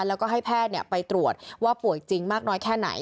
แล้วก็ให้แพทย์ไปตรวจว่าป่วยจริงมากน้อยแค่ไหน